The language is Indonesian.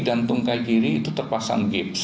dan tungkai kiri itu terpasang gips